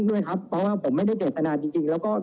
แล้วพ่อเอาผ้าเช็ดแล้วเหมือนไม่ตื่นก็เลยเอาน้ำเพื่อให้เขาตื่นนะครับ